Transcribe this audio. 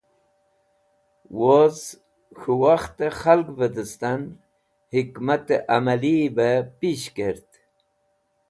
Woz K̃hu Wakhte Khalgve distan Hikat Amaliyi be pish kert.